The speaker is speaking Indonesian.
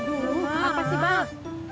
bagaimana sih pak